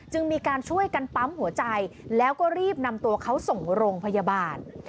มีการช่วยกันปั๊มหัวใจแล้วก็รีบนำตัวเขาส่งโรงพยาบาล